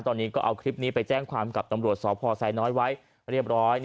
ตอนนี้ก็เอาคลิปนี้ไปแจ้งความกับตำรวจสพไซน้อยไว้เรียบร้อย